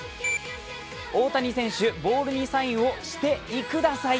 大谷選手、ボールにさいんをしていください。